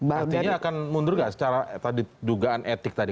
artinya akan mundur nggak secara tadi dugaan etik tadi